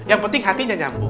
yang penting hatinya nyambung